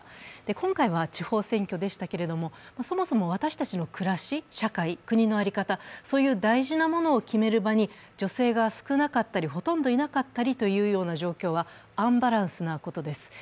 今回は地方選挙でしたけれどもそもそも私たちの暮らし、社会国の在り方、そういう大事なものを決める場に女性が少なかったりほとんどいなかったりというような状況はアンバランスなことです。